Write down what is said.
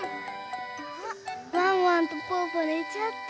あっワンワンとぽぅぽねちゃってる。